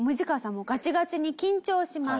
もうガチガチに緊張します。